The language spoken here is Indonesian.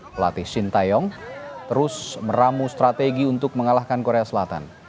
pelatih shin taeyong terus meramu strategi untuk mengalahkan korea selatan